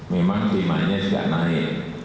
memang timannya tidak naik